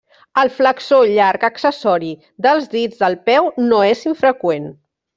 El flexor llarg accessori dels dits del peu no és infreqüent.